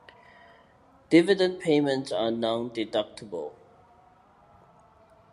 Dividend payments are non-deductible.